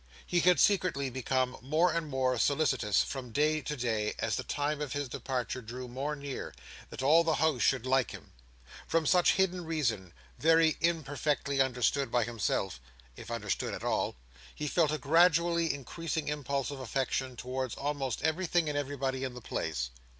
He had secretly become more and more solicitous from day to day, as the time of his departure drew more near, that all the house should like him. From some hidden reason, very imperfectly understood by himself—if understood at all—he felt a gradually increasing impulse of affection, towards almost everything and everybody in the place.